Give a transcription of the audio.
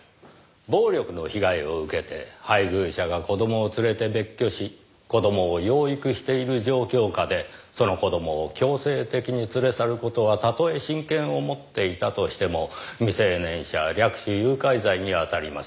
暴力の被害を受けて配偶者が子供を連れて別居し子供を養育している状況下でその子供を強制的に連れ去る事はたとえ親権を持っていたとしても未成年者略取・誘拐罪に当たります。